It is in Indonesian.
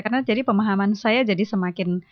karena jadi pemahaman saya jadi semakin